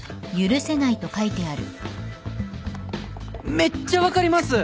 「めっちゃわかりますっ！！」